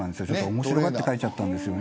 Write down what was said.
面白がって描いちゃったんです。